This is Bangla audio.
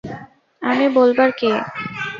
আমি বলবার কে।